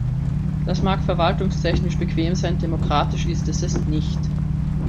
Das mag verwaltungstechnisch bequem sein, demokratisch ist es nicht.